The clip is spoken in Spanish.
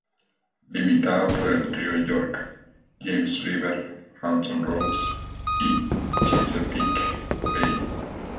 Limitada por el río York, James River, Hampton Roads y Chesapeake Bay.